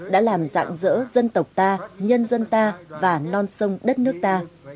đã làm dạng dỡ dân tộc ta nhân dân ta và non sông đất nước ta